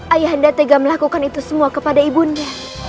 ayah anda tega melakukan itu semua kepada ibu nda